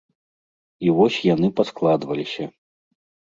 І вось яны паскладваліся.